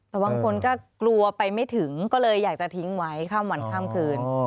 แต่บางคนก็กลัวไปไม่ถึงก็เลยอยากจะทิ้งไว้ข้ามวันข้ามคืน